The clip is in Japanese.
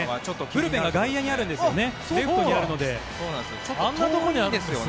ブルペンが外野、レフトにあるので遠いんですよね。